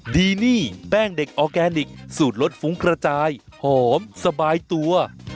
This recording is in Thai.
ดีนี่แป้งเด็กออร์แกนิคสูตรรสฟุ้งกระจายหอมสบายตัว